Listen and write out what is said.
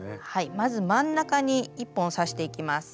まず真ん中に１本刺していきます。